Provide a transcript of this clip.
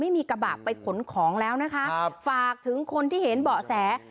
ไม่มีกระบะไปขนของแล้วนะคะฝากถึงคนที่เห็นเบาะแส